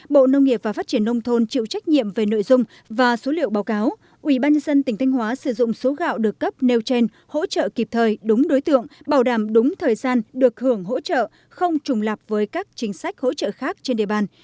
bộ nông nghiệp và phát triển nông thôn chịu trách nhiệm về nội dung và số liệu báo cáo ubnd tỉnh thanh hóa sử dụng số gạo được cấp nêu trên hỗ trợ kịp thời đúng đối tượng bảo đảm đúng thời gian được hưởng hỗ trợ không trùng lạp với các chính sách hỗ trợ khác trên địa bàn